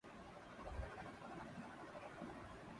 سے بعد میں کولاچی اور بگڑ کر انگریزوں کے دور میں کراچی ھو گئی